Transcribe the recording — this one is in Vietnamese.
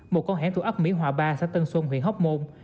một con hẻm thuộc ấp mỹ hòa ba xã tân xuân huyện hóc môn